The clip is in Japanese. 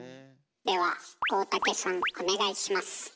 では大竹さんお願いします。